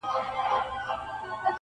غم ته به مي شا سي، وايي بله ورځ -